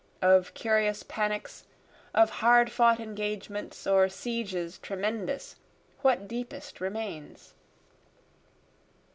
of curious panics, Of hard fought engagements or sieges tremendous what deepest remains?